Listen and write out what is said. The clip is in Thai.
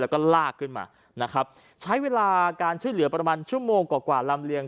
แล้วก็ลากขึ้นมานะครับใช้เวลาการช่วยเหลือประมาณชั่วโมงกว่ากว่าลำเลียง